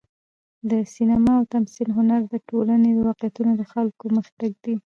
د سینما او تمثیل هنر د ټولنې واقعیتونه د خلکو مخې ته ږدي.